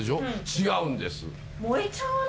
違うんです。